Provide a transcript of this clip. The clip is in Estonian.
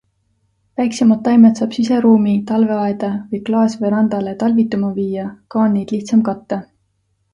Väiksemad taimed saab siseruumi, talveaeda või klaasverandale talvituma viia, ka on neid lihtsam katta.